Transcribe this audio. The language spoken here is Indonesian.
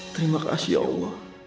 terima kasih allah